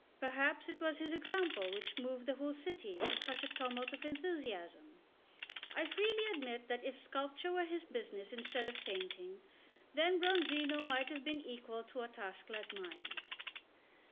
Perhaps it was his example which moved the whole city to such a tumult of enthusiasm. I freely admit that if sculpture were his business instead of painting, then Bronzino might have been equal a to task like mine.